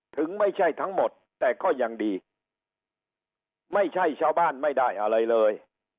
ถึงไม่ใช่ทั้งหมดแต่ก็ยังดีไม่ใช่ชาวบ้านไม่ได้อะไรเลย